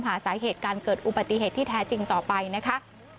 หาสาเหตุการเกิดอุบัติเหตุที่แท้จริงต่อไปนะคะ